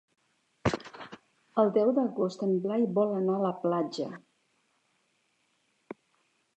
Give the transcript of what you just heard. El deu d'agost en Blai vol anar a la platja.